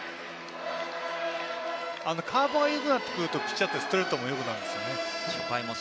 カーブがよくなってくるとピッチャーってストレートもよくなるんです。